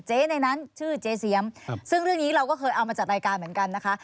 ในนั้นชื่อเจ๊เสียมซึ่งเรื่องนี้เราก็เคยเอามาจัดรายการเหมือนกันนะคะ